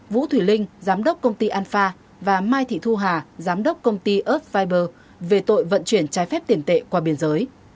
vũ thủy linh giám đốc công ty an pha và mai thị thu hà giám đốc công ty earth fiber về tội vận truyền trái phép tiền tệ qua biên giới